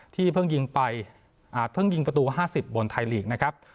ที่เพิ่งยิงไปเพิ่งยิงประตู๕๐บนไทยลีกนะครับ